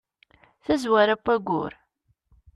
tazwara n wayyur